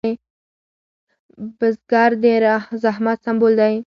بزګر د زحمت سمبول دی